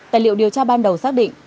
tài liệu điều tra ban đầu xác định